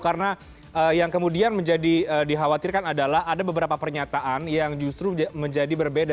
karena yang kemudian menjadi dikhawatirkan adalah ada beberapa pernyataan yang justru menjadi berbeda